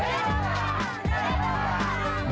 hidup ujang hidup ujang